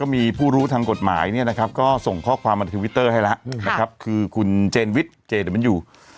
มีผู้รู้ทางกฎหมายส่งข้อความมาทวิตเตอร์ให้ละคือคุณเจนวิชเจเดิมันอยู่